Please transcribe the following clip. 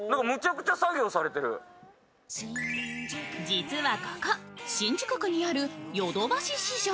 実はここ、新宿区にある淀橋市場。